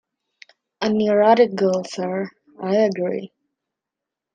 A neurotic girl, sir, I agree.